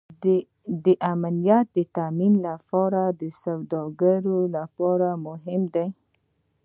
د امنیت تامین د سوداګرۍ لپاره اړین دی